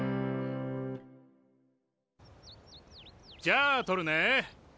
じゃあ撮るね。